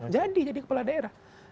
jadi jadi kepala daerah